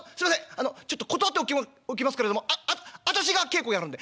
あのちょっと断っておきますけれどもああたしが稽古やるんで。